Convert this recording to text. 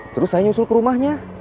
terus saya nyusul ke rumahnya